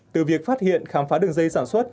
từ việc phát hiện khám phá đường dây sản xuất